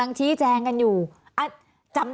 ตั้งแต่เริ่มมีเรื่องแล้ว